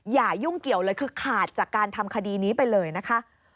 ยุ่งเกี่ยวเลยคือขาดจากการทำคดีนี้ไปเลยนะคะ